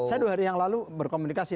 saya dua hari yang lalu berkomunikasi